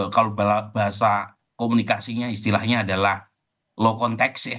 kalau bahasa komunikasinya istilahnya adalah low context ya